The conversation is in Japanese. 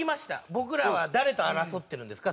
「僕らは誰と争ってるんですか？